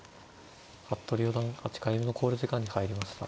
服部四段８回目の考慮時間に入りました。